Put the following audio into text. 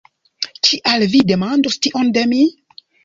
"Kial vi demandus tion de mi?